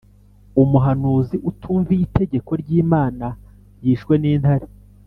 Umuhanuzi utumviye itegeko ry’Imana yishwe n’intare